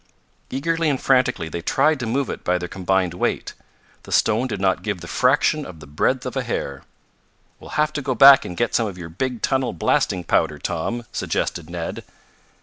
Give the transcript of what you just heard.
Eagerly and frantically they tried to move it by their combined weight. The stone did not give the fraction of the breadth of a hair. "We'll have to go back and get some of your big tunnel blasting powder, Tom," suggested Ned.